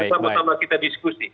kita pertama tama kita diskusi